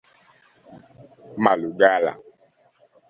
Malugala